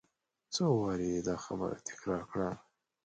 څو وارې یې دا خبره تکرار کړه.